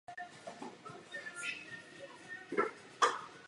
Regresní přímku můžeme vytvořit například pomocí metody nejmenších čtverců.